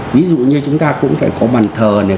ví dụ như chúng ta cũng phải có bàn thờ này